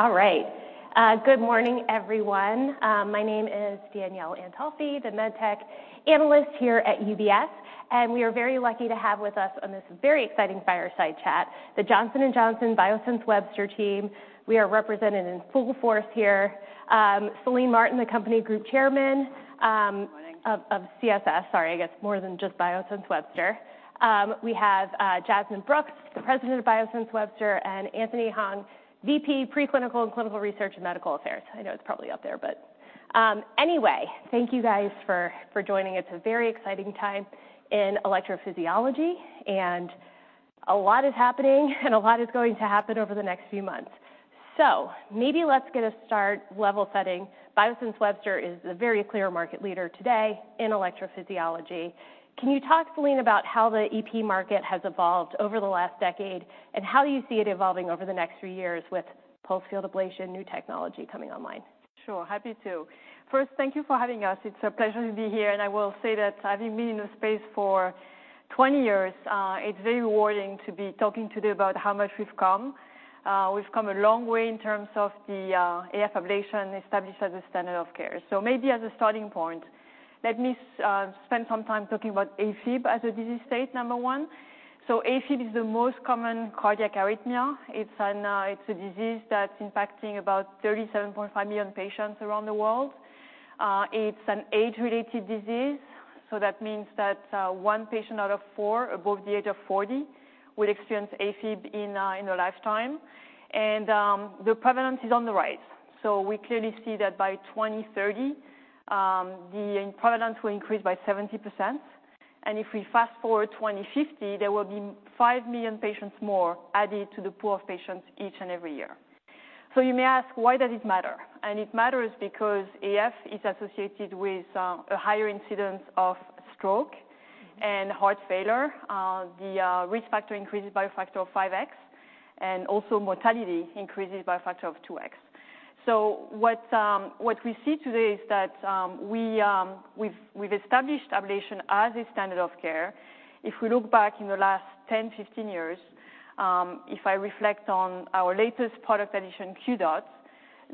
All right. Good morning, everyone. My name is Danielle Antalffy, the Med Tech Analyst here at UBS, and we are very lucky to have with us on this very exciting fireside chat, the Johnson & Johnson Biosense Webster team. We are represented in full force here. Celine Martin, the Company Group Chairman, Good morning. of CSS, sorry, I guess more than just Biosense Webster. We have Jas Brooks, the president of Biosense Webster, and Anthony Hong, VP Preclinical and Clinical Research and Medical Affairs. I know it's probably up there, but anyway, thank you guys for joining. It's a very exciting time in electrophysiology, and a lot is happening, and a lot is going to happen over the next few months. Maybe let's get a start, level setting. Biosense Webster is the very clear market leader today in electrophysiology. Can you talk, Celine, about how the EP market has evolved over the last decade, and how you see it evolving over the next few years with pulsed field ablation, new technology coming online? Sure. Happy to. First, thank you for having us. It's a pleasure to be here, and I will say that having been in the space for 20 years, it's very rewarding to be talking today about how much we've come. We've come a long way in terms of the AF ablation established as a standard of care. Maybe as a starting point, let me spend some time talking about AFib as a disease state, number one. AFib is the most common cardiac arrhythmia. It's a disease that's impacting about 37.5 million patients around the world. It's an age-related disease, so that means that one patient out of four above the age of 40 will experience AFib in their lifetime. The prevalence is on the rise. We clearly see that by 2030, the prevalence will increase by 70%. If we fast-forward to 2050, there will be 5 million patients more added to the pool of patients each and every year. You may ask, why does it matter? It matters because AF is associated with a higher incidence of stroke and heart failure. The risk factor increases by a factor of 5x, and also mortality increases by a factor of 2x. What we see today is that we've, we've established ablation as a standard of care. If we look back in the last 10, 15 years, if I reflect on our latest product addition, QDOT MICRO,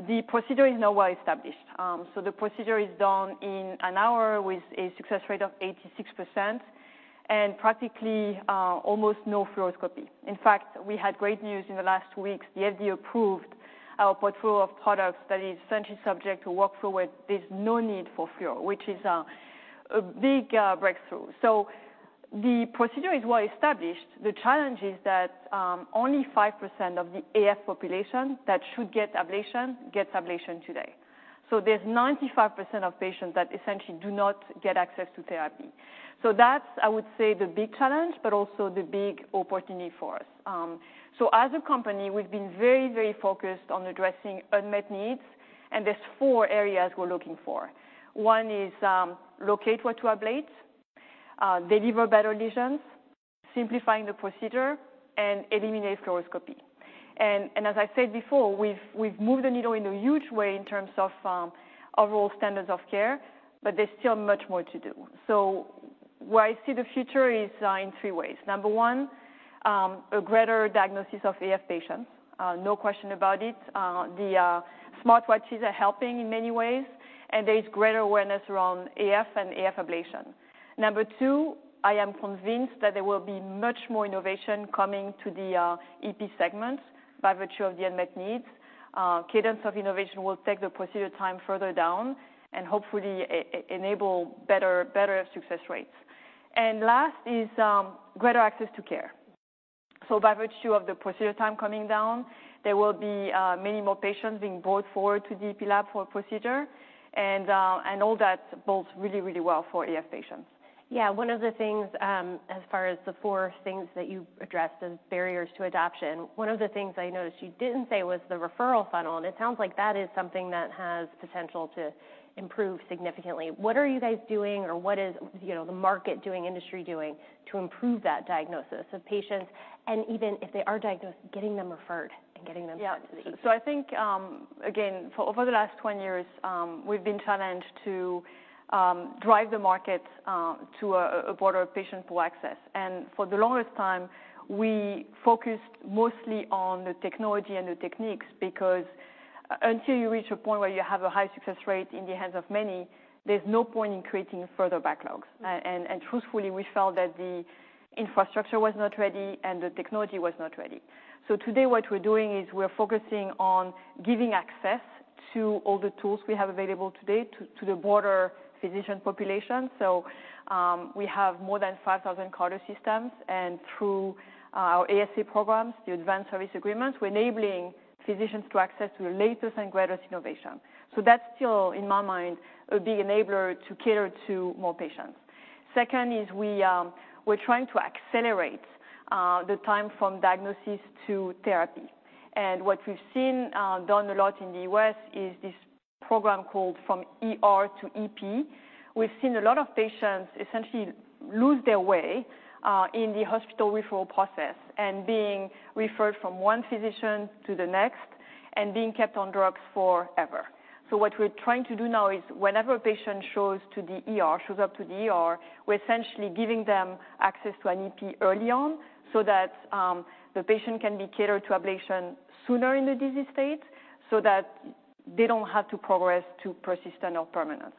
the procedure is now well-established. The procedure is done in an hour with a success rate of 86% and practically almost no fluoroscopy. In fact, we had great news in the last weeks. The FDA approved our portfolio of products that is essentially subject to workflow with, there's no need for fluor, which is a big breakthrough. The procedure is well-established. The challenge is that only 5% of the AF population that should get ablation, gets ablation today. There's 95% of patients that essentially do not get access to therapy. That's, I would say, the big challenge, but also the big opportunity for us. As a company, we've been very, very focused on addressing unmet needs, and there's four areas we're looking for. One is, locate what to ablate, deliver better lesions, simplifying the procedure, and eliminate fluoroscopy. As I said before, we've, we've moved the needle in a huge way in terms of overall standards of care, but there's still much more to do. Where I see the future is in three ways. Number one, a greater diagnosis of AF patients. No question about it. The smartwatches are helping in many ways, and there is greater awareness around AF and AF ablation. Number two, I am convinced that there will be much more innovation coming to the EP segment by virtue of the unmet needs. Cadence of innovation will take the procedure time further down and hopefully enable better, better success rates. Last is greater access to care. By virtue of the procedure time coming down, there will be many more patients being brought forward to the EP lab for procedure and all that bodes really, really well for AF patients. Yeah, one of the things, as far as the four things that you addressed as barriers to adoption, one of the things I noticed you didn't say was the referral funnel. It sounds like that is something that has potential to improve significantly. What are you guys doing, or what is, you know, the market doing, industry doing, to improve that diagnosis of patients, and even if they are diagnosed, getting them referred and getting them to the? Yeah. I think, again, for over the last 20 years, we've been challenged to drive the market to a, a broader patient pool access. For the longest time, we focused mostly on the technology and the techniques, because until you reach a point where you have a high success rate in the hands of many, there's no point in creating further backlogs. Truthfully, we felt that the infrastructure was not ready, and the technology was not ready. Today what we're doing is we're focusing on giving access to all the tools we have available today, to the broader physician population. We have more than 5,000 CARTO systems, and through our ASA programs, the Advanced Service Agreements, we're enabling physicians to access the latest and greatest innovation. That's still, in my mind, a big enabler to cater to more patients. Second is we, we're trying to accelerate the time from diagnosis to therapy. What we've seen done a lot in the U.S. is this program called ER to EP. We've seen a lot of patients essentially lose their way in the hospital referral process, and being referred from one physician to the next and being kept on drugs forever. What we're trying to do now is whenever a patient shows to the ER, shows up to the ER, we're essentially giving them access to an EP early on. The patient can be catered to ablation sooner in the disease state, so that they don't have to progress to persistent or permanent.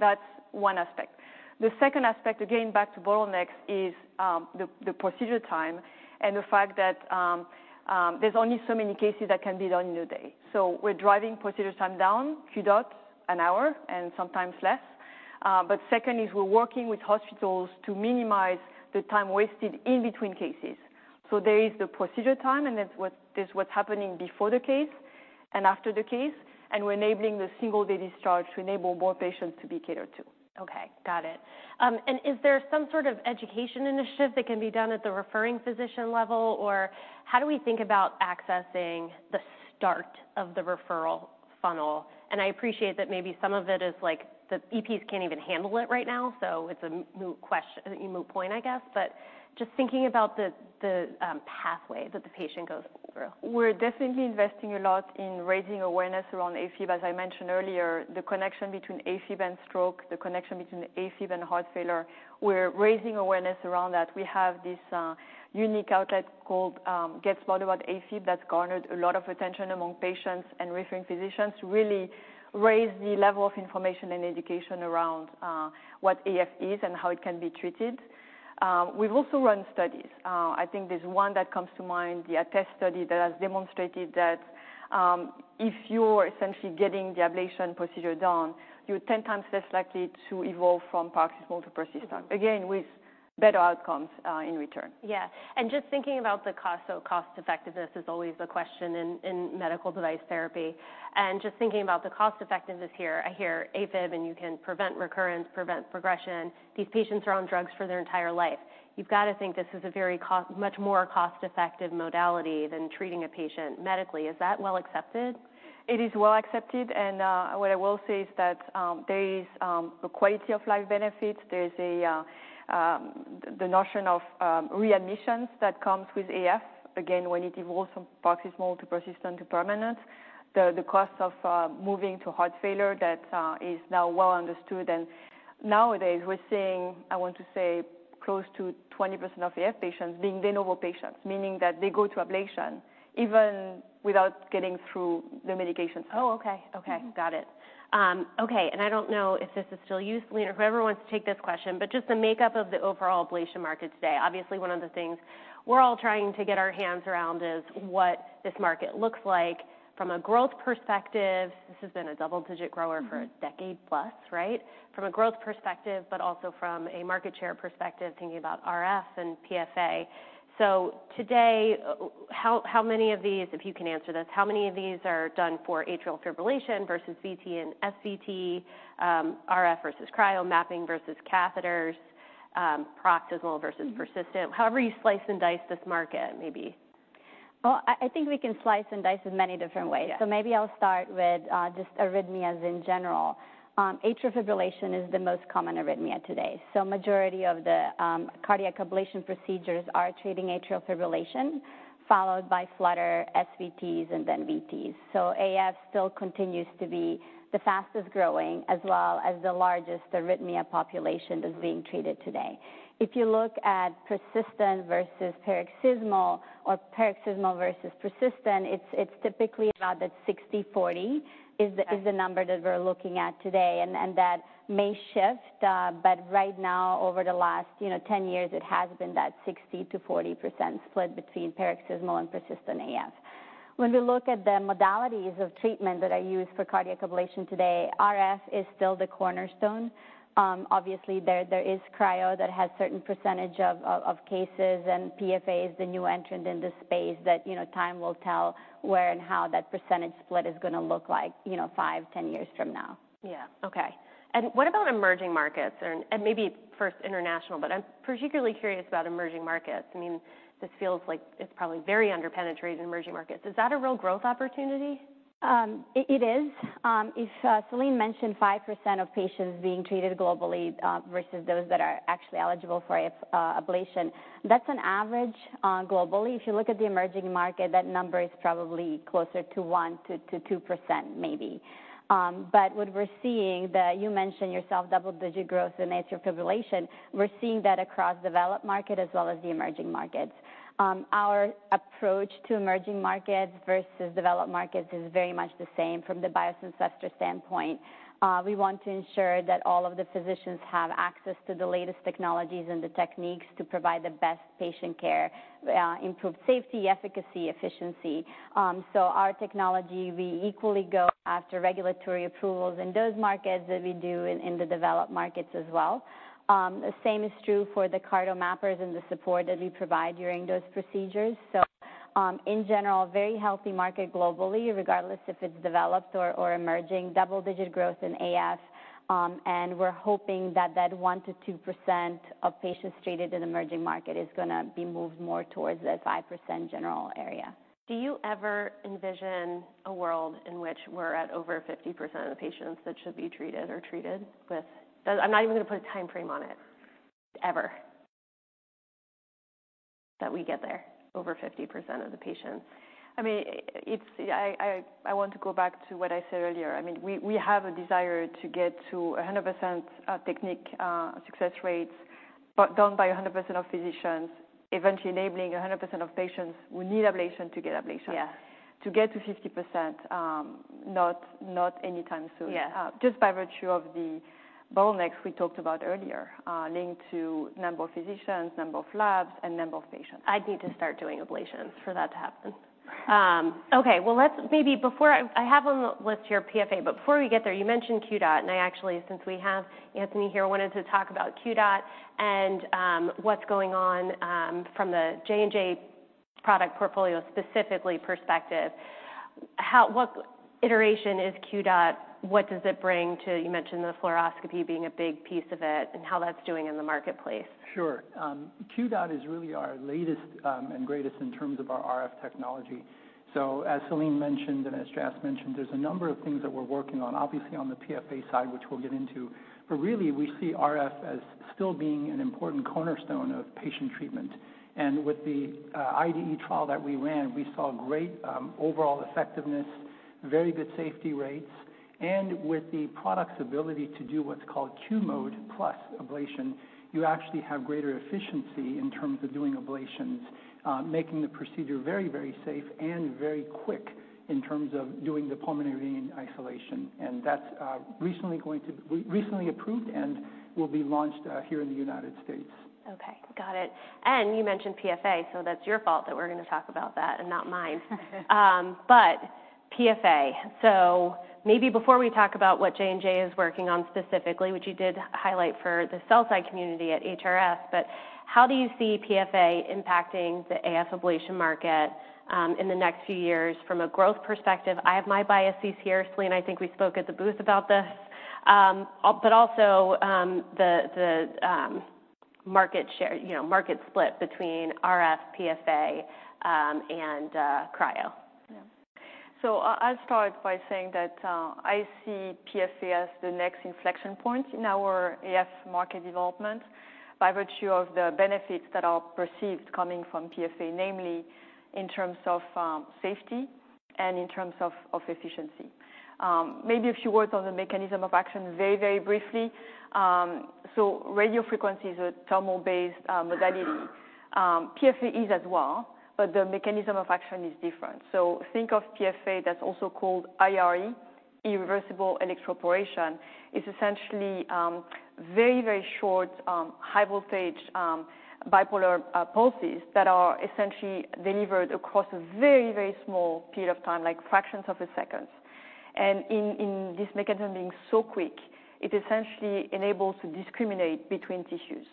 That's one aspect. The second aspect, again, back to bottlenecks, is the procedure time and the fact that there's only so many cases that can be done in a day. We're driving procedure time down, QDOT's an hour, and sometimes less. Second is, we're working with hospitals to minimize the time wasted in between cases. There is the procedure time, and there's what's happening before the case and after the case. We're enabling the single-day discharge to enable more patients to be catered to. Okay, got it. Is there some sort of education initiative that can be done at the referring physician level? How do we think about accessing the start of the referral funnel? I appreciate that maybe some of it is like, the EPs can't even handle it right now, so it's a moot point, I guess. Just thinking about the, the pathway that the patient goes through. We're definitely investing a lot in raising awareness around AFib. As I mentioned earlier, the connection between AFib and stroke, the connection between AFib and heart failure, we're raising awareness around that. We have this unique outlet called Get Smart About AFib, that's garnered a lot of attention among patients and referring physicians, to really raise the level of information and education around what AF is and how it can be treated. We've also run studies. I think there's one that comes to mind, the ATTEST study, that has demonstrated that if you're essentially getting the ablation procedure done, you're 10 times less likely to evolve from paroxysmal to persistent, again, with better outcomes in return. Yeah. Just thinking about the cost, so cost effectiveness is always a question in, in medical device therapy, and just thinking about the cost effectiveness here, I hear AFib, and you can prevent recurrence, prevent progression. These patients are on drugs for their entire life. You've got to think this is a very cost, much more cost-effective modality than treating a patient medically. Is that well accepted? It is well accepted, and what I will say is that there is a quality of life benefit. There's the notion of readmissions that comes with AF. Again, when it evolves from paroxysmal to persistent to permanent, the cost of moving to heart failure that is now well understood. Nowadays, we're seeing, I want to say, close to 20% of AF patients being de novo patients, meaning that they go to ablation even without getting through the medication. Okay. Got it. Okay, I don't know if this is still you, Celine, or whoever wants to take this question, but just the makeup of the overall ablation market today. Obviously, one of the things we're all trying to get our hands around is what this market looks like from a growth perspective. This has been a double-digit grower for a decade plus, right? From a growth perspective, but also from a market share perspective, thinking about RF and PFA. Today, how many of these, if you can answer this, how many of these are done for atrial fibrillation versus VT and SVT, RF versus Cryo, mapping versus catheters, paroxysmal versus-persistent? However you slice and dice this market, maybe. Well, I think we can slice and dice this many different ways. Yeah. Maybe I'll start with just arrhythmias in general. Atrial fibrillation is the most common arrhythmia today. Majority of the cardiac ablation procedures are treating atrial fibrillation, followed by flutter, SVTs, and then VTs. AF still continues to be the fastest-growing, as well as the largest arrhythmia population that's being treated today. If you look at persistent versus paroxysmal, or paroxysmal versus persistent, it's typically about that 60/40 is the number that we're looking at today, and that may shift, but right now, over the last, you know, 10 years, it has been that 60% to 40% split between Paroxysmal AF and Persistent AF. When we look at the modalities of treatment that are used for cardiac ablation today, RF is still the cornerstone. There, there is Cryo that has certain percentage of cases, and PFA is the new entrant in this space that, you know, time will tell where and how that percentage split is going to look like, you know, five, 10 years from now. Yeah. Okay. What about emerging markets and maybe first international, but I'm particularly curious about emerging markets. I mean, this feels like it's probably very under-penetrated in emerging markets. Is that a real growth opportunity? It is. If Celine mentioned 5% of patients being treated globally, versus those that are actually eligible for AF ablation, that's an average globally. If you look at the emerging market, that number is probably closer to 1% to 2%, maybe. What we're seeing, that you mentioned yourself, double-digit growth in atrial fibrillation, we're seeing that across developed market as well as the emerging markets. Our approach to emerging markets versus developed markets is very much the same from the Biosense Webster standpoint. We want to ensure that all of the physicians have access to the latest technologies and the techniques to provide the best patient care, improve safety, efficacy, efficiency. Our technology, we equally go after regulatory approvals in those markets, as we do in, in the developed markets as well. The same is true for the CARTO mappers and the support that we provide during those procedures. In general, very healthy market globally, regardless if it's developed or emerging. Double-digit growth in AF, and we're hoping that that 1% to 2% of patients treated in emerging market is gonna be moved more towards the 5% general area. Do you ever envision a world in which we're at over 50% of the patients that should be treated or treated with? I'm not even going to put a time frame on it. Ever, that we get there, over 50% of the patients? I mean, I want to go back to what I said earlier. We have a desire to get to 100% technique success rates, but done by 100% of physicians, eventually enabling 100% of patients who need ablation to get ablation. Yeah. To get to 50%, not anytime soon. Yeah. Just by virtue of the bottlenecks we talked about earlier, linked to number of physicians, number of labs, and number of patients. I need to start doing ablations for that to happen. Okay, I have on the list here, PFA, but before we get there, you mentioned QDOT, and I actually, since we have Anthony here, wanted to talk about QDOT and what's going on from the J&J product portfolio, specifically perspective. What iteration is QDOT? What does it bring to the Fluoroscopy being a big piece of it, and how that's doing in the marketplace. Sure. QDOT is really our latest and greatest in terms of our RF technology. As Celine mentioned, and as Jas mentioned, there's a number of things that we're working on, obviously on the PFA side, which we'll get into. Really, we see RF as still being an important cornerstone of patient treatment. With the IDE trial that we ran, we saw great overall effectiveness, very good safety rates. With the product's ability to do what's called QMODE+ ablation, you actually have greater efficiency in terms of doing ablations, making the procedure very, very safe and very quick in terms of doing the pulmonary vein isolation. That's recently approved and will be launched here in the United States. Okay, got it. You mentioned PFA, so that's your fault that we're going to talk about that, and not mine. PFA. Maybe before we talk about what J&J is working on specifically, which you did highlight for the cell side community at HRS, but how do you see PFA impacting the AF ablation market in the next few years from a growth perspective? I have my biases here, Celine, I think we spoke at the booth about this. Also, the market share, you know, market split between RF, PFA, and Cryo. Yeah. I'll start by saying that, I see PFA as the next inflection point in our AF market development by virtue of the benefits that are perceived coming from PFA, namely in terms of, safety and in terms of, of efficiency. Maybe a few words on the mechanism of action very briefly. Radiofrequency is a thermal-based modality. PFA is as well, but the mechanism of action is different. Think of PFA, that's also called IRE, Irreversible Electroporation. It's essentially very short, high voltage, bipolar pulses that are essentially delivered across a very, very small period of time, like fractions of a second. In this mechanism being so quick, it essentially enables to discriminate between tissues.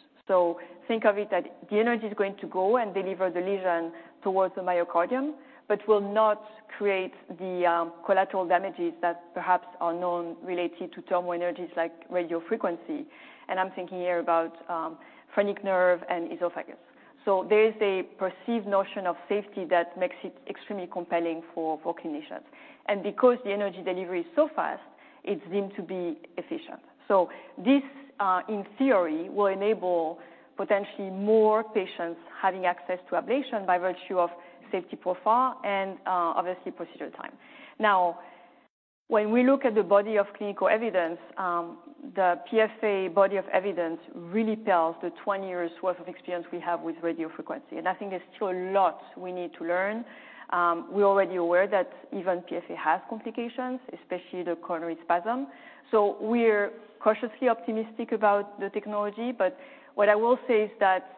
Think of it that the energy is going to go and deliver the lesion towards the myocardium, but will not create the collateral damages that perhaps are known related to thermal energies like radiofrequency. And I'm thinking here about phrenic nerve and esophagus. There is a perceived notion of safety that makes it extremely compelling for, for clinicians. Because the energy delivery is so fast, it's deemed to be efficient. This, in theory, will enable potentially more patients having access to ablation by virtue of safety profile and, obviously, procedure time. Now, when we look at the body of clinical evidence, the PFA body of evidence really tells the 20 years' worth of experience we have with radiofrequency, and I think there's still a lot we need to learn. We're already aware that even PFA has complications, especially the coronary spasm, so we're cautiously optimistic about the technology. What I will say is that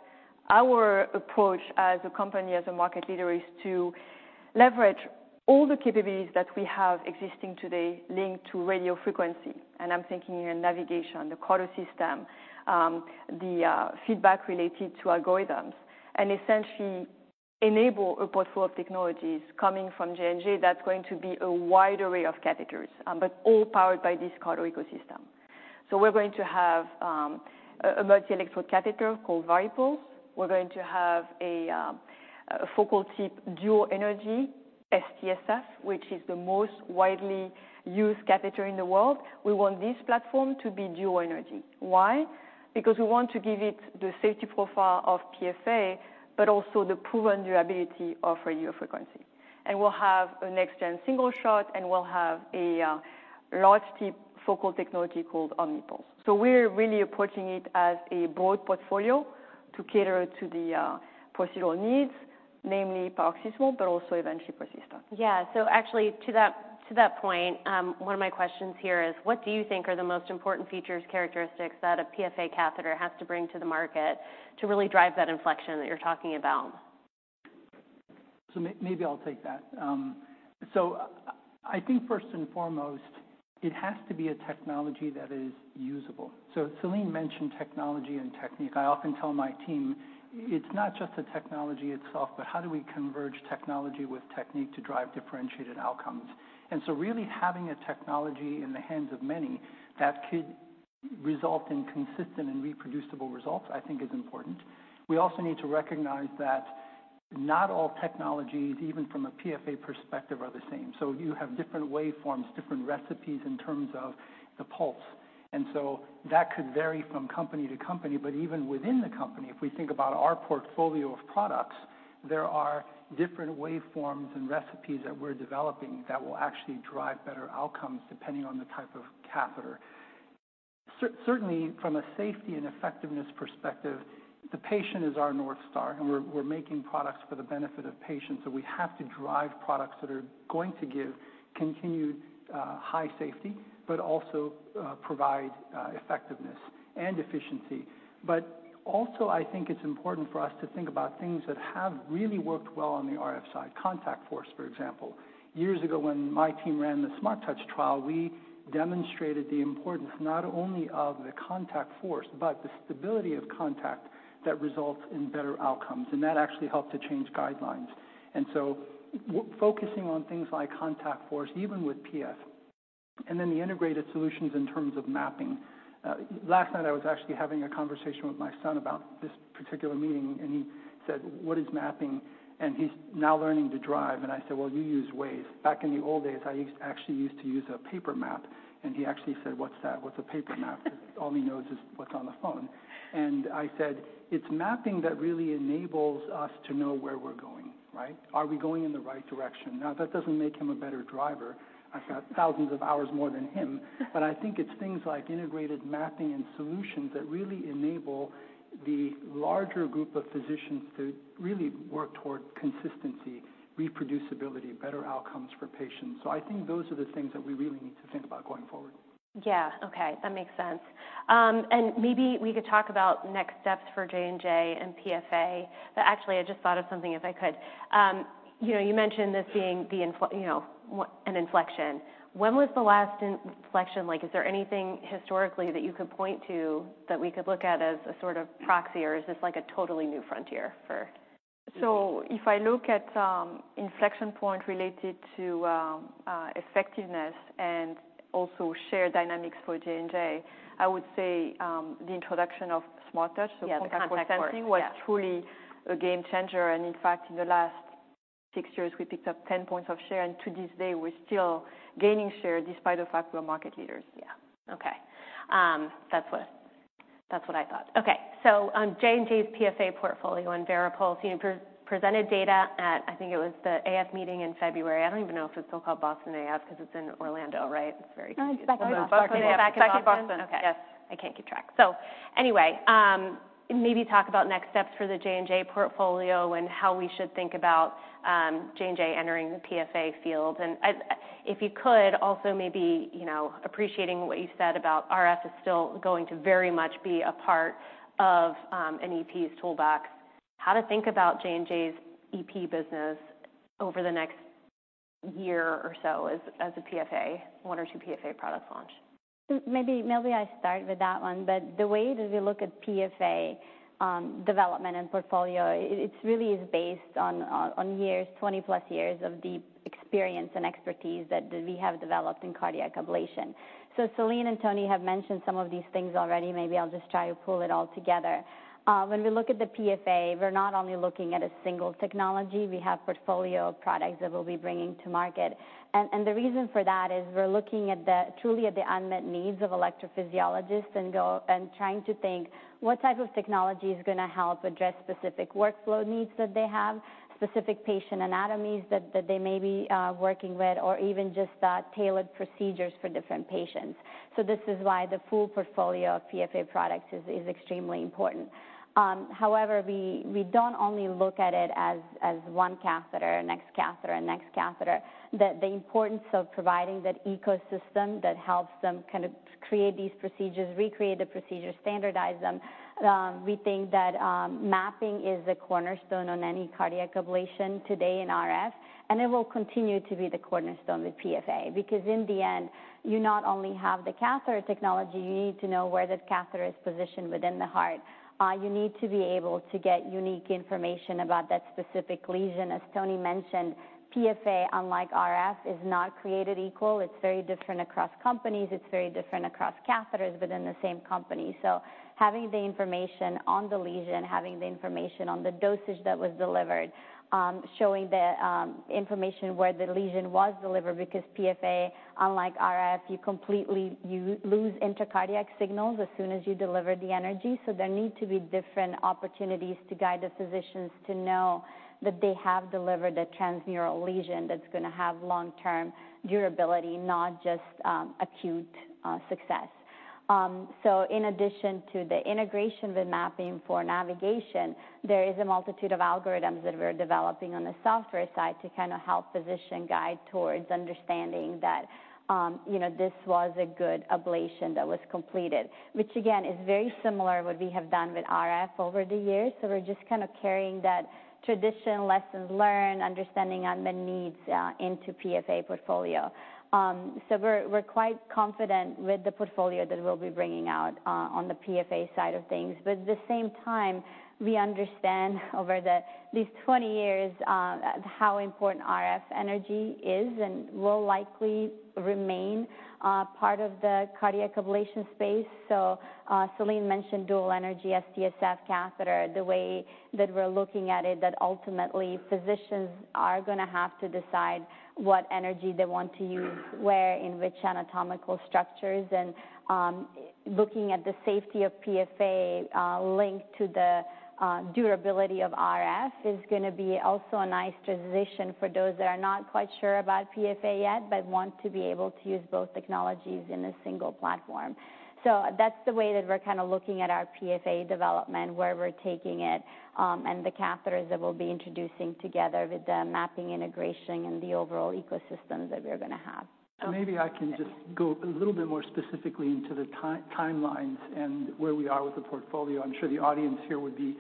our approach as a company, as a market leader, is to leverage all the capabilities that we have existing today linked to radiofrequency. I'm thinking here navigation, the catheter system, the feedback related to algorithms, and essentially enable a portfolio of technologies coming from J&J that's going to be a wide array of catheters, but all powered by this catheter ecosystem. We're going to have a multi-electrode catheter called VARIPULSE. We're going to have a focal tip, dual energy THERMOCOOL SMARTTOUCH SF, which is the most widely used catheter in the world. We want this platform to be dual energy. Why? We want to give it the safety profile of PFA, but also the proven durability of radiofrequency. We'll have a next-gen single shot, and we'll have a large tip focal technology called OMNYPULSE. We're really approaching it as a broad portfolio to cater to the procedural needs, namely paroxysmal, but also eventually persistent. Yeah. Actually, to that, to that point, one of my questions here is: What do you think are the most important features, characteristics that a PFA catheter has to bring to the market to really drive that inflection that you're talking about? I'll take that. I think first and foremost, it has to be a technology that is usable. Celine mentioned technology and technique. I often tell my team, "It's not just the technology itself, but how do we converge technology with technique to drive differentiated outcomes?" Really having a technology in the hands of many, that could result in consistent and reproducible results, I think is important. We also need to recognize that not all technologies, even from a PFA perspective, are the same. You have different waveforms, different recipes in terms of the pulse. That could vary from company to company. Even within the company, if we think about our portfolio of products, there are different waveforms and recipes that we're developing that will actually drive better outcomes depending on the type of catheter. Certainly, from a safety and effectiveness perspective, the patient is our North Star, and we're, we're making products for the benefit of patients, so we have to drive products that are going to give continued, high safety, but also, provide effectiveness and efficiency. Also, I think it's important for us to think about things that have really worked well on the RF side. Contact force, for example. Years ago, when my team ran the SmartTouch trial, we demonstrated the importance not only of the contact force, but the stability of contact that results in better outcomes, and that actually helped to change guidelines. So focusing on things like contact force, even with PF, and then the integrated solutions in terms of mapping. Last night, I was actually having a conversation with my son about this particular meeting, and he said, "What is mapping?" He's now learning to drive, and I said, "Well, you use Waze. Back in the old days, I actually used to use a paper map." He actually said, "What's that? What's a paper map?" All he knows is what's on the phone. I said, "It's mapping that really enables us to know where we're going, right? Are we going in the right direction?" Now, that doesn't make him a better driver. I've got thousands of hours more than him. I think it's things like integrated mapping and solutions that really enable the larger group of physicians to really work toward consistency, reproducibility, better outcomes for patients. I think those are the things that we really need to think about going forward. Yeah. Okay, that makes sense. Maybe we could talk about next steps for J&J and PFA. Actually, I just thought of something, if I could, you mentioned this being an inflection. When was the last inflection like? Is there anything historically that you could point to that we could look at as a sort of proxy, or is this like a totally new frontier for? If I look at inflection point related to effectiveness and also shared dynamics for J&J, I would say the introduction of SmartTouch contact sensing was truly a game changer. In fact, in the last six years, we picked up 10 points of share, and to this day, we're still gaining share despite the fact we're market leaders. Yeah. Okay. That's what I thought. On J&J's PFA portfolio and VARIPULSE, you presented data at I think it was the AF meeting in February. I don't even know if it's still called Boston AF because it's in Orlando, right? It's very confusing. No, it's back in Boston. Back in Boston. Okay. Yes. I can't keep track. Anyway, maybe talk about next steps for the J&J portfolio and how we should think about, J&J entering the PFA field. If you could, also maybe, you know, appreciating what you said about RF is still going to very much be a part of, an EP's toolbox, how to think about J&J's EP business over the next year or so as, as a PFA, one or two PFA products launch? Maybe I start with that one. The way that we look at PFA development and portfolio, it's really is based on years, 20-plus years of deep experience and expertise that we have developed in cardiac ablation. Celine and Tony have mentioned some of these things already. Maybe I'll just try to pull it all together. When we look at the PFA, we're not only looking at a single technology, we have portfolio of products that we'll be bringing to market. The reason for that is we're looking at the, truly at the unmet needs of electrophysiologists and trying to think what type of technology is going to help address specific workflow needs that they have, specific patient anatomies that they may be working with, or even just tailored procedures for different patients. This is why the full portfolio of PFA products is, is extremely important. However, we, we don't only look at it as, as one catheter, next catheter, and next catheter, that the importance of providing that ecosystem that helps them kind of create these procedures, recreate the procedures, standardize them. We think that CARTO mapping is the cornerstone on any cardiac ablation today in RF, and it will continue to be the cornerstone with PFA, because in the end, you not only have the catheter technology, you need to know where that catheter is positioned within the heart. You need to be able to get unique information about that specific lesion. As Tony mentioned, PFA, unlike RF, is not created equal. It's very different across companies, it's very different across catheters within the same company. Having the information on the lesion, having the information on the dosage that was delivered, showing the information where the lesion was delivered, because PFA, unlike RF, you completely, you lose intracardiac signals as soon as you deliver the energy. There need to be different opportunities to guide the physicians to know that they have delivered a transmural lesion that's going to have long-term durability, not just acute success. In addition to the integration with mapping for navigation, there is a multitude of algorithms that we're developing on the software side to kind of help physician guide towards understanding that, you know, this was a good ablation that was completed. Which again, is very similar to what we have done with RF over the years. We're just kind of carrying that tradition, lessons learned, understanding unmet needs into PFA portfolio. We're, we're quite confident with the portfolio that we'll be bringing out on the PFA side of things. At the same time, we understand over the least 20 years how important RF energy is and will likely remain part of the cardiac ablation space. Celine mentioned dual energy STSF catheter. The way that we're looking at it, that ultimately physicians are going to have to decide what energy they want to use, where, in which anatomical structures. Looking at the safety of PFA linked to the durability of RF, is going to be also a nice transition for those that are not quite sure about PFA yet, but want to be able to use both technologies in a single platform. That's the way that we're kind of looking at our PFA development, where we're taking it, and the catheters that we'll be introducing together with the mapping, integration, and the overall ecosystems that we're going to have. Maybe I can just go a little bit more specifically into the timelines and where we are with the portfolio. I'm sure the audience here would be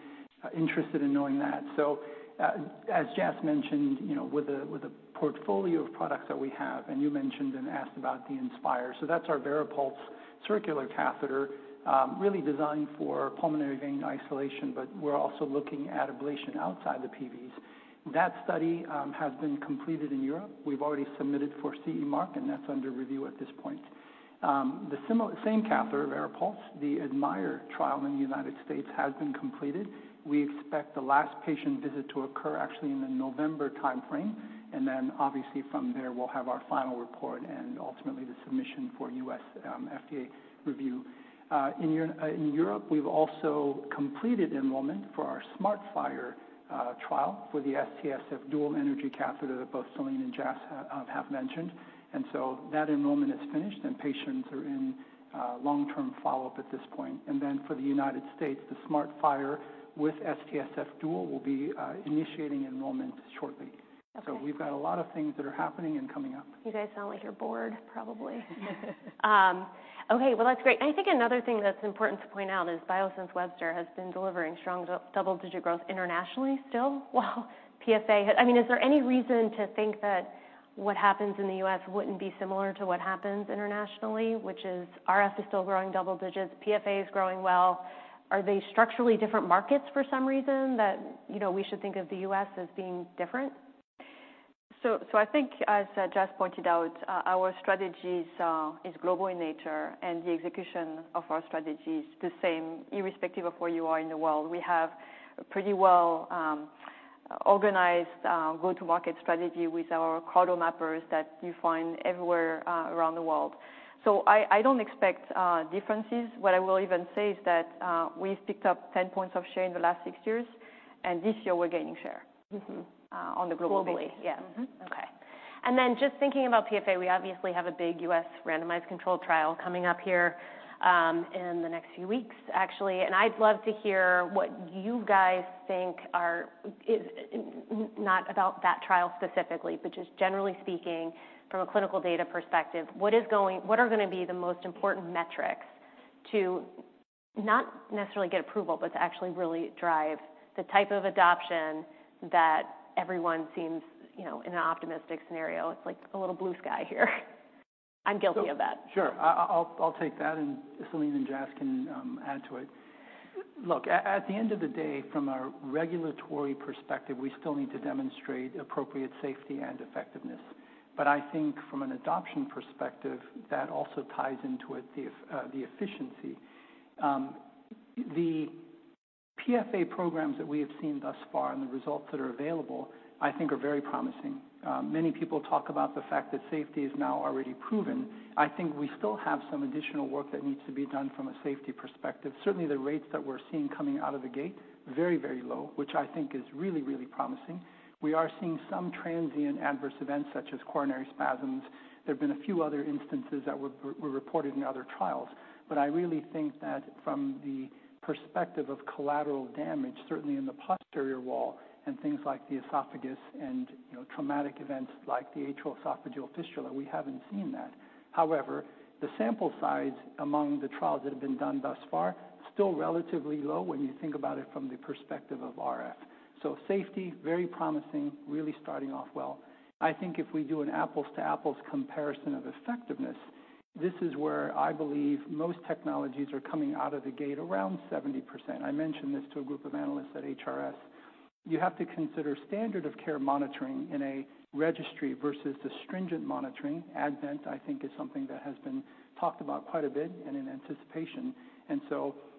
interested in knowing. As Jas mentioned, you know, with a, with a portfolio of products that we have, and you mentioned and asked about the inspIRE. That's our VARIPULSE circular catheter, really designed for pulmonary vein isolation, but we're also looking at ablation outside the PVs. That study has been completed in Europe. We've already submitted for CE mark, and that's under review at this point. The similar, same catheter, VARIPULSE, the admIRE trial in the United States has been completed. We expect the last patient visit to occur actually in the November timeframe, and then obviously from there, we'll have our final report and ultimately the submission for U.S. FDA review. In Europe, we've also completed enrollment for our SmartfIRE trial for the STSF dual energy catheter that both Celine and Jas have mentioned. So that enrollment is finished, and patients are in long-term follow-up at this point. Then for the United States, the SmartfIRE with STSF dual will be initiating enrollment shortly. Okay. We've got a lot of things that are happening and coming up. You guys sound like you're bored, probably. Okay, well, that's great. I think another thing that's important to point out is Biosense Webster has been delivering strong double-digit growth internationally, still, while PFA is there any reason to think that what happens in the U.S. wouldn't be similar to what happens internationally? Which is RF is still growing double digits, PFA is growing well. Are they structurally different markets for some reason that, you know, we should think of the U.S. as being different? I think, as Jas pointed out, our strategies are, is global in nature, and the execution of our strategy is the same irrespective of where you are in the world. We have a pretty well organized go-to-market strategy with our CARTO mappers that you find everywhere around the world. I don't expect differences. What I will even say is that we've picked up 10 points of share in the last six years, and this year we're gaining share. on the globally. Globally. Yeah. Okay. Then just thinking about PFA, we obviously have a big U.S. randomized controlled trial coming up here, in the next few weeks, actually, and I'd love to hear what you guys think are. Not about that trial specifically, but just generally speaking, from a clinical data perspective, what are gonna be the most important metrics to not necessarily get approval, but to actually really drive the type of adoption that everyone seems, you know, in an optimistic scenario, it's like a little blue sky here? I'm guilty of that. Sure. I'll take that, and Celine and Jas can add to it. Look, at, at the end of the day, from a regulatory perspective, we still need to demonstrate appropriate safety and effectiveness. I think from an adoption perspective, that also ties into it, the efficiency. The PFA programs that we have seen thus far and the results that are available, I think are very promising. Many people talk about the fact that safety is now already proven. I think we still have some additional work that needs to be done from a safety perspective. Certainly, the rates that we're seeing coming out of the gate, very low, which I think is really, really promising. We are seeing some transient adverse events, such as coronary spasms. There have been a few other instances that were, were reported in other trials. I really think that from the perspective of collateral damage, certainly in the posterior wall and things like the esophagus and, you know, traumatic events like the atrial esophageal fistula, we haven't seen that. However, the sample size among the trials that have been done thus far, still relatively low when you think about it from the perspective of RF. Safety, very promising, really starting off well. I think if we do an apples-to-apples comparison of effectiveness, this is where I believe most technologies are coming out of the gate around 70%. I mentioned this to a group of analysts at HRS. You have to consider standard of care monitoring in a registry versus the stringent monitoring. admIRE, I think, is something that has been talked about quite a bit and in anticipation.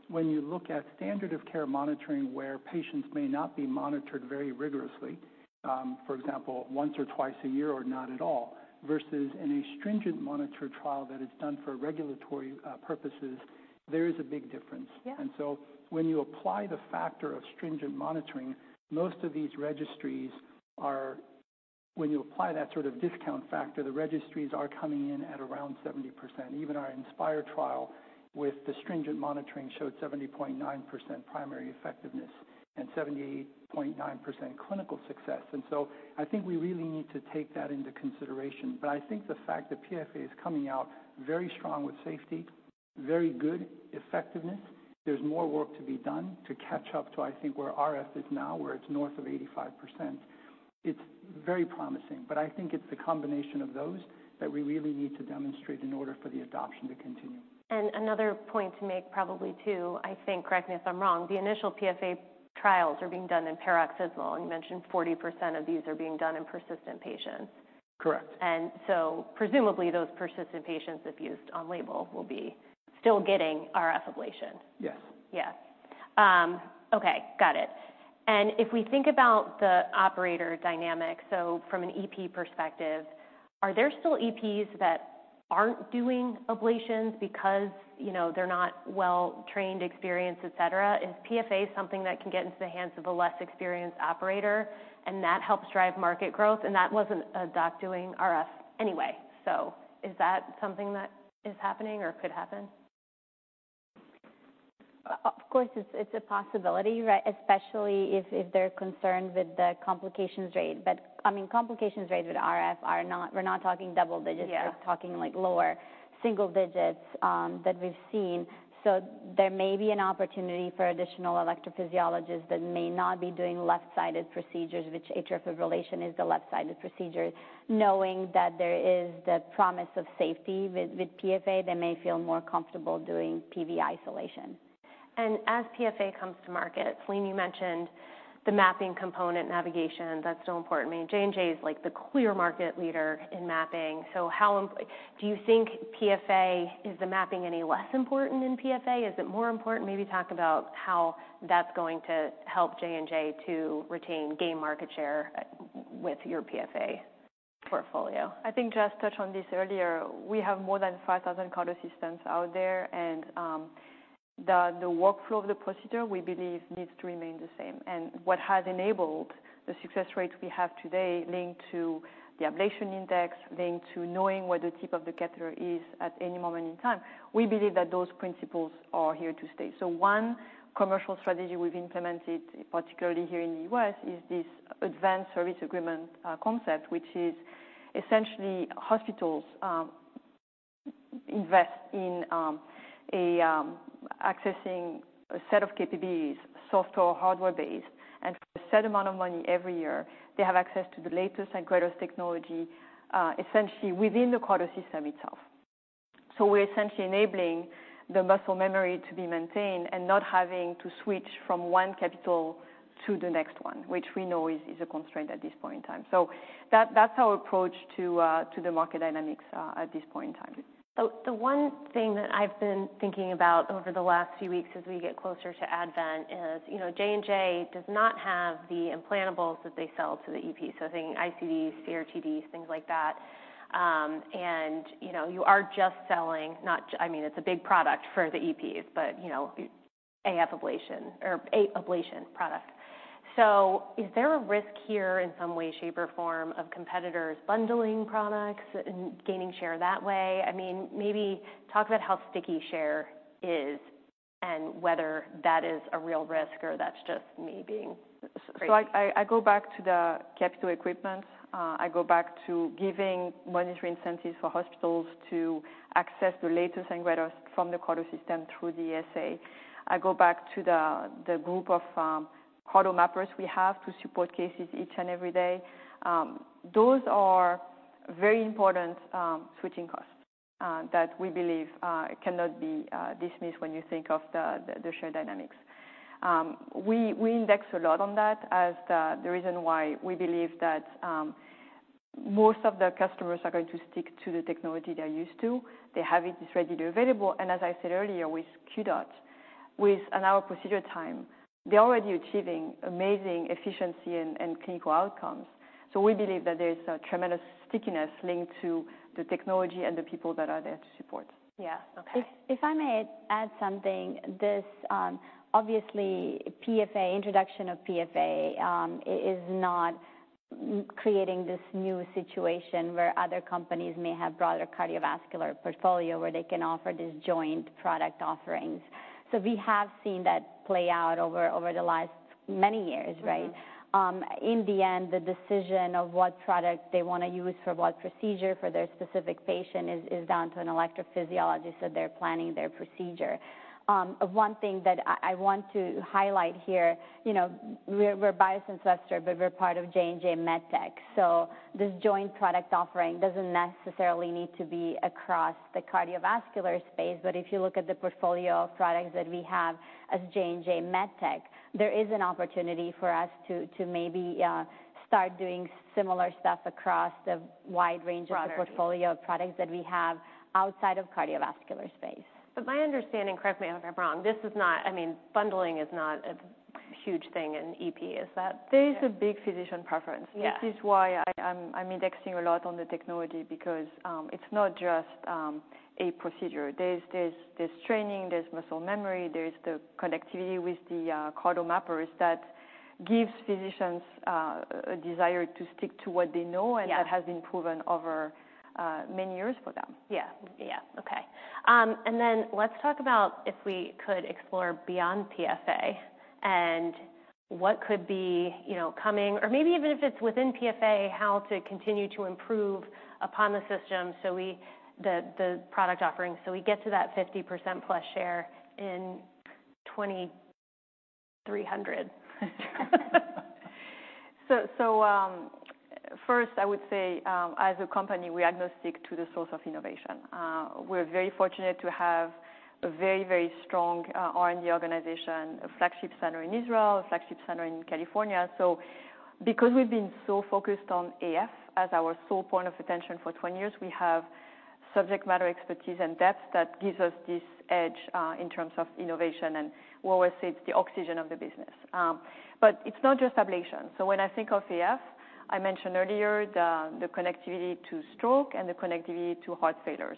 When you look at standard of care monitoring, where patients may not be monitored very rigorously, for example, once or twice a year or not at all, versus in a stringent monitored trial that is done for regulatory purposes, there is a big difference. Yeah. So when you apply the factor of stringent monitoring, most of these registries when you apply that sort of discount factor, the registries are coming in at around 70%. Even our inspIRE trial with the stringent monitoring showed 70.9% primary effectiveness and 78.9% clinical success. So I think we really need to take that into consideration. I think the fact that PFA is coming out very strong with safety, very good effectiveness, there's more work to be done to catch up to, I think, where RF is now, where it's north of 85%. It's very promising, but I think it's the combination of those that we really need to demonstrate in order for the adoption to continue. Another point to make probably, too, I think, correct me if I'm wrong, the initial PFA trials are being done in paroxysmal, and you mentioned 40% of these are being done in persistent patients. Correct. Presumably, those persistent patients, if used on label, will be still getting RF ablation. Yes. Yes. okay, got it. If we think about the operator dynamic, from an EP perspective, are there still EPs that aren't doing ablations because, you know, they're not well-trained, experienced, et cetera? Is PFA something that can get into the hands of a less experienced operator and that helps drive market growth, and that wasn't a doc doing RF anyway? Is that something that is happening or could happen? Of course, it's a possibility, right? Especially if they're concerned with the complications rate. I mean, complications rates with RF are not- we're not talking double digits- Yeah. we're talking like lower single digits that we've seen. There may be an opportunity for additional electrophysiologists that may not be doing left-sided procedures, which atrial fibrillation is the left-sided procedure, knowing that there is the promise of safety with PFA, they may feel more comfortable doing PV isolation. As PFA comes to market, Celine, you mentioned the mapping component, navigation, that's so important. I mean, J&J is, like, the clear market leader in mapping. How do you think PFA, is the mapping any less important in PFA? Is it more important? Maybe talk about how that's going to help J&J to retain, gain market share, with your PFA portfolio. I think Jeff touched on this earlier. We have more than 5,000 catheter systems out there, and the workflow of the procedure, we believe, needs to remain the same. What has enabled the success rates we have today, linked to the Ablation index, linked to knowing where the tip of the catheter is at any moment in time. We believe that those principles are here to stay. One commercial strategy we've implemented, particularly here in the U.S., is this Advanced Service Agreement concept, which is essentially hospitals invest in accessing a set of KPBs, software, hardware base, and for a set amount of money every year, they have access to the latest and greatest technology essentially within the catheter system itself. We're essentially enabling the muscle memory to be maintained and not having to switch from one capital to the next one, which we know is, is a constraint at this point in time. That, that's our approach to the market dynamics at this point in time. The one thing that I've been thinking about over the last few weeks as we get closer to Advanz is, you know, J&J does not have the implantables that they sell to the EP, so think ICDs, CRT-Ds, things like that. You know, you are just selling, I mean, it's a big product for the EPs, but, you know, AF ablation or A ablation product. Is there a risk here in some way, shape, or form of competitors bundling products and gaining share that way? I mean, maybe talk about how sticky share is and whether that is a real risk or that's just me being crazy. I, I go back to the capital equipment, I go back to giving monetary incentives for hospitals to access the latest and greatest from the catheter system through the ASA. I go back to the group of CARTO mappers we have to support cases each and every day. Those are very important switching costs that we believe cannot be dismissed when you think of the share dynamics. We index a lot on that as the reason why we believe that most of the customers are going to stick to the technology they're used to. They have it, it's readily available, and as I said earlier, with QDot, with an hour procedure time, they're already achieving amazing efficiency and clinical outcomes. We believe that there's a tremendous stickiness linked to the technology and the people that are there to support. Yeah. Okay. If, if I may add something, this, obviously PFA, introduction of PFA, is not creating this new situation where other companies may have broader cardiovascular portfolio, where they can offer these joint product offerings. We have seen that play out over, over the last many years, right? In the end, the decision of what product they want to use for what procedure for their specific patient is, is down to an electrophysiologist, so they're planning their procedure. One thing that I, I want to highlight here, you know, we're, we're Biosense Webster, but we're part of J&J MedTech, so this joint product offering doesn't necessarily need to be across the cardiovascular space. If you look at the portfolio of products that we have as J&J MedTech, there is an opportunity for us to, to maybe, start doing similar stuff across the wide range-Of the portfolio of products that we have outside of cardiovascular space. My understanding, correct me if I'm wrong, this is not... I mean, bundling is not a huge thing in EP, is that? There is a big physician preference. Yeah. Which is why I, I'm, I'm indexing a lot on the technology, because, it's not just a procedure. There's, there's, there's training, there's muscle memory, there's the connectivity with the CARTO mappers that gives physicians a desire to stick to what they know. Yeah That has been proven over, many years for them. Yeah. Yeah. Okay, let's talk about if we could explore beyond PFA and what could be, you know, coming or maybe even if it's within PFA, how to continue to improve upon the system. The product offerings, so we get to that 50% plus share in 2300. First, I would say, as a company, we are agnostic to the source of innovation. We're very fortunate to have a very, very strong, R&D organization, a flagship center in Israel, a flagship center in California. Because we've been so focused on AF as our sole point of attention for 20 years, we have subject matter expertise and depth that gives us this edge, in terms of innovation, and we always say it's the oxygen of the business. It's not just ablation. When I think of AF, I mentioned earlier the, the connectivity to stroke and the connectivity to heart failure.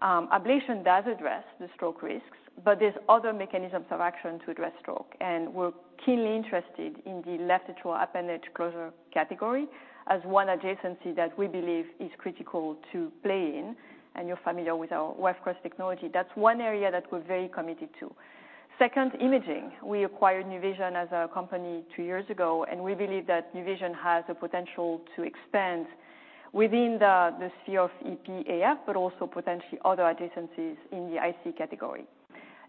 ablation does address the stroke risks, but there's other mechanisms of action to address stroke, and we're keenly interested in the left atrial appendage closure category as one adjacency that we believe is critical to play in and you're familiar with our WATCHMAN technology. That's one area that we're very committed to. Second, imaging. We acquired NUVISION as a company two years ago, and we believe that NUVISION has the potential to expand within the, the CF EP AF, but also potentially other adjacencies in the ICE category.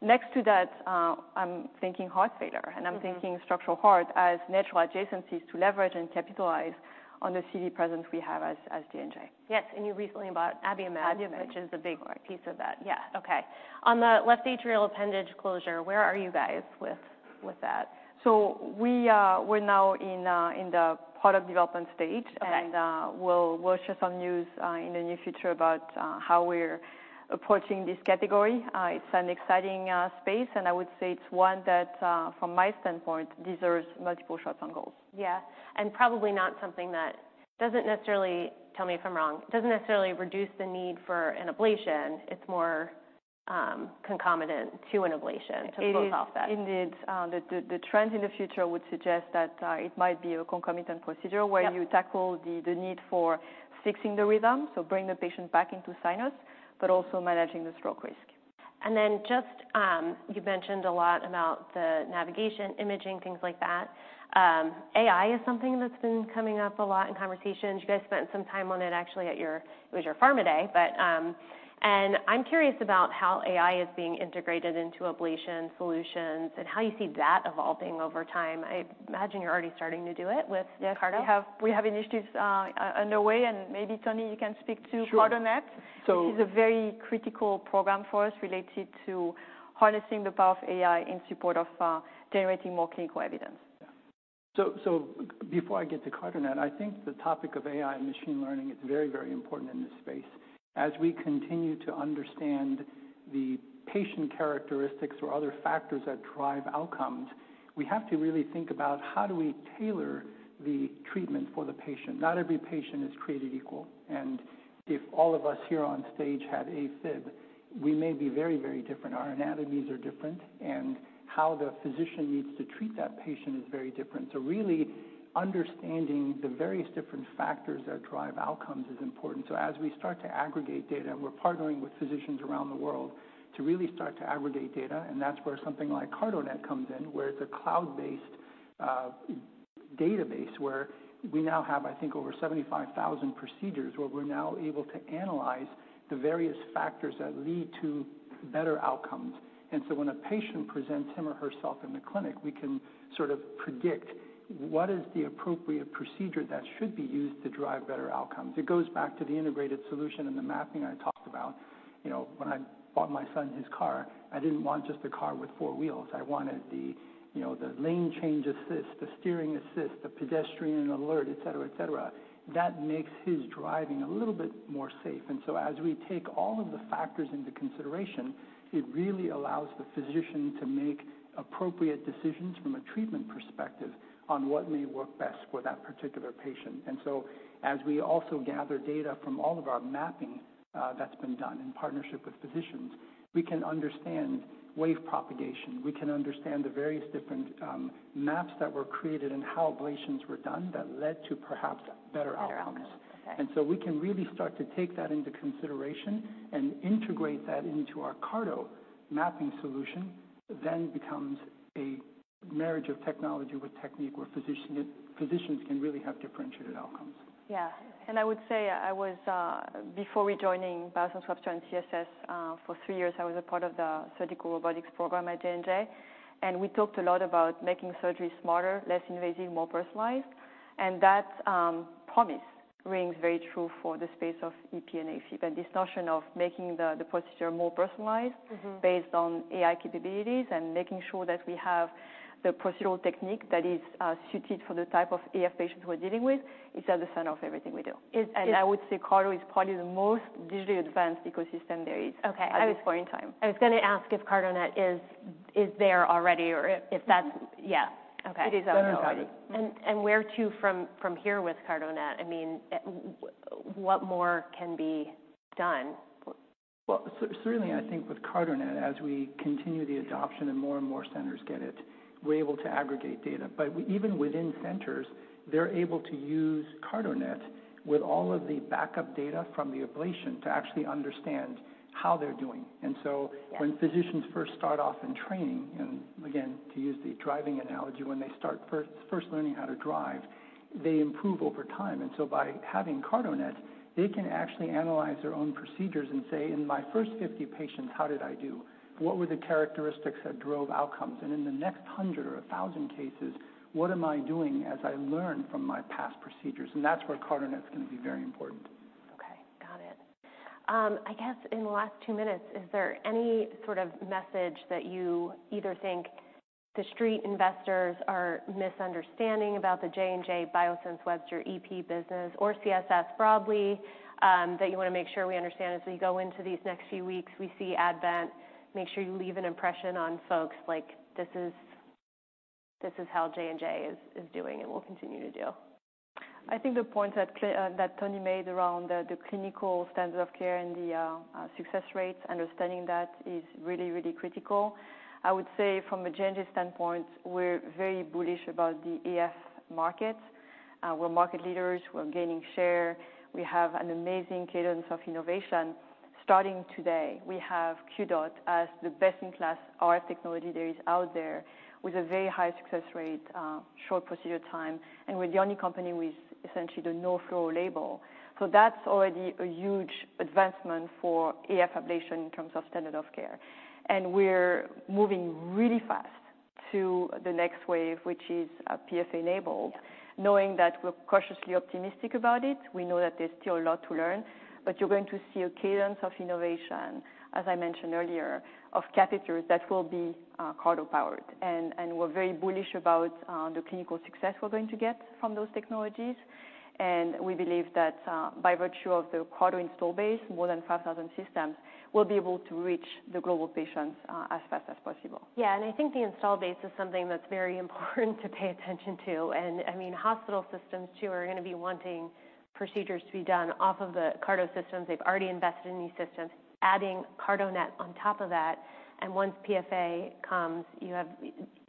Next to that, I'm thinking heart failure. I'm thinking structural heart as natural adjacencies to leverage and capitalize on the CD presence we have as J&J. Yes, you recently bought Abiomed. Abiomed. Which is a big piece of that. Right. Yeah, okay. On the left atrial appendage closure, where are you guys with, with that? We're now in the product development stage. Okay. We'll share some news in the near future about how we're approaching this category. It's an exciting space, and I would say it's one that from my standpoint, deserves multiple shots on goals. Yeah, probably not something that. Doesn't necessarily, tell me if I'm wrong, doesn't necessarily reduce the need for an ablation. It's more concomitant to an ablation to close off that. It is, indeed. the, the, the trend in the future would suggest that, it might be a concomitant procedure... Yep where you tackle the need for fixing the rhythm, so bring the patient back into sinus, but also managing the stroke risk. Just, you mentioned a lot about the navigation, imaging, things like that. AI is something that's been coming up a lot in conversations. You guys spent some time on it actually at your, it was your pharma day, but. I'm curious about how AI is being integrated into ablation solutions, and how you see that evolving over time. I imagine you're already starting to do it with CARTO? Yes, we have, we have initiatives, underway, and maybe Tony, you can speak to CARTONET. Sure. Which is a very critical program for us, related to harnessing the power of AI in support of generating more clinical evidence. Yeah. Before I get to CARTONET, I think the topic of AI and machine learning is very, very important in this space. As we continue to understand the patient characteristics or other factors that drive outcomes, we have to really think about: How do we tailor the treatment for the patient? Not every patient is created equal, and if all of us here on stage had AFib, we may be very, very different. Our anatomies are different, and how the physician needs to treat that patient is very different. Really understanding the various different factors that drive outcomes is important. As we start to aggregate data, we're partnering with physicians around the world to really start to aggregate data, and that's where something like CARTONET comes in, where it's a cloud-based database, where we now have, I think, over 75,000 procedures, where we're now able to analyze the various factors that lead to better outcomes. When a patient presents him or herself in the clinic, we can sort of predict what is the appropriate procedure that should be used to drive better outcomes. It goes back to the integrated solution and the mapping I talked about. You know, when I bought my son his car, I didn't want just a car with four wheels. I wanted the, you know, the lane change assist, the steering assist, the pedestrian alert, et cetera, et cetera. That makes his driving a little bit more safe. As we take all of the factors into consideration, it really allows the physician to make appropriate decisions from a treatment perspective on what may work best for that particular patient. As we also gather data from all of our mapping, that's been done in partnership with physicians, we can understand wave propagation, we can understand the various different maps that were created and how ablations were done that led to perhaps better outcomes. We can really start to take that into consideration and integrate that into our CARTO mapping solution, then becomes a marriage of technology with technique, where physicians can really have differentiated outcomes. Yeah, I would say I was, before rejoining Biosense Webster and CSS, for three years, I was a part of the surgical robotics program at J&J, and we talked a lot about making surgery smarter, less invasive, more personalized. That, promise rings very true for the space of EP and AFib. This notion of making the, the procedure more personalized-. based on AI capabilities, and making sure that we have the procedural technique that is suited for the type of AF patients we're dealing with, is at the center of everything we do. I would say CARTO is probably the most digitally advanced ecosystem there is. Okay. at this point in time. I was gonna ask if CARTONET is there already or if that's.... It is out there. Got it. Where to from here with CARTONET? I mean, what more can be done? Well, certainly, I think with CARTONET, as we continue the adoption and more and more centers get it, we're able to aggregate data. Even within centers, they're able to use CARTONET with all of the backup data from the ablation to actually understand how they're doing. Yeah. When physicians first start off in training, and again, to use the driving analogy, when they start first learning how to drive, they improve over time. By having CARTONET, they can actually analyze their own procedures and say, "In my first 50 patients, how did I do? What were the characteristics that drove outcomes? In the next 100 or 1,000 cases, what am I doing as I learn from my past procedures?" That's where CARTONET's going to be very important. Okay, got it. I guess in the last two minutes, is there any sort of message that you either think the street investors are misunderstanding about the J&J, Biosense Webster, EP business or CSS broadly, that you want to make sure we understand as we go into these next few weeks, we see Advanz, make sure you leave an impression on folks like, this is how J&J is doing and will continue to do? I think the point that Tony made around the clinical standard of care and the success rates, understanding that is really, really critical. I would say from a J&J standpoint, we're very bullish about the AF market. We're market leaders, we're gaining share, we have an amazing cadence of innovation. Starting today, we have QDOT as the best-in-class RF technology there is out there, with a very high success rate, short procedure time, and we're the only company with essentially the no-fluoro label. That's already a huge advancement for AF ablation in terms of standard of care. We're moving really fast to the next wave, which is PFA-enabled. Yeah. Knowing that we're cautiously optimistic about it, we know that there's still a lot to learn, but you're going to see a cadence of innovation, as I mentioned earlier, of catheters that will be, CARTO-powered. We're very bullish about, the clinical success we're going to get from those technologies. We believe that, by virtue of the CARTO install base, more than 5,000 systems, we'll be able to reach the global patients, as fast as possible. Yeah, I think the install base is something that's very important to pay attention to. I mean, hospital systems too, are going to be wanting procedures to be done off of the CARTO systems. They've already invested in these systems, adding CARTONET on top of that, and once PFA comes, you have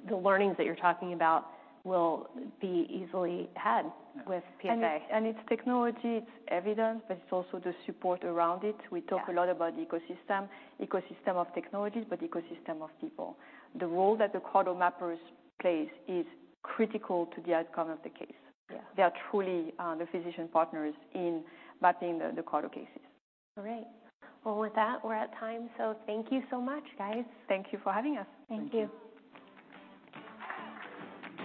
the learnings that you're talking about will be easily had with PFA. Yeah and it's technology, it's evidence, but it's also the support around it. Yeah. We talk a lot about ecosystem, ecosystem of technologies, but ecosystem of people. The role that the CARTO mappers plays is critical to the outcome of the case. Yeah. They are truly, the physician partners in mapping the CARTO cases. All right. Well, with that, we're at time, so thank you so much, guys. Thank you for having us. Thank you. Thank you.